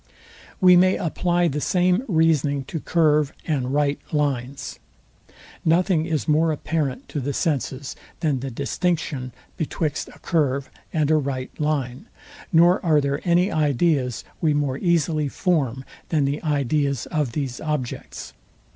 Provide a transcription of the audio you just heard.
We may apply the same reasoning to CURVE and RIGHT lines. Nothing is more apparent to the senses, than the distinction betwixt a curve and a right line; nor are there any ideas we more easily form than the ideas of these objects.